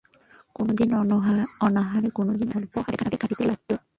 কোনোদিন অনাহারে কোনোদিন অল্পাহারে কাটিতে লাগিল।